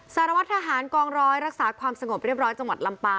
สารวัตรทหารกองร้อยรักษาความสงบเรียบร้อยจังหวัดลำปาง